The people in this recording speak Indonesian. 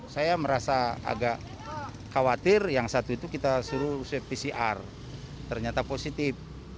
saya merasa agak khawatir yang satu itu kita suruh swab pcr ternyata positif